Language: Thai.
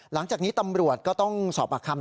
หลังจากนี้ตำรวจก็ต้องสอบปากคำ